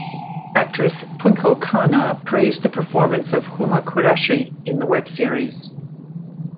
Actress Twinkle Khanna praised the performance of Huma Qureshi in the web series.